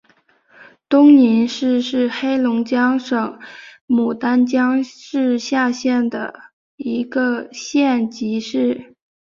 东宁市是黑龙江省牡丹江市下辖的一个县级市。